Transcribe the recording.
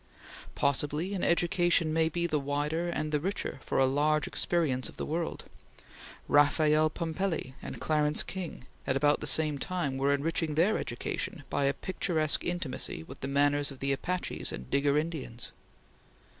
Possibly an education may be the wider and the richer for a large experience of the world; Raphael Pumpelly and Clarence King, at about the same time, were enriching their education by a picturesque intimacy with the manners of the Apaches and Digger Indians.